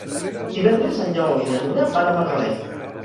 Divendres en Lleó i na Nura van a Margalef.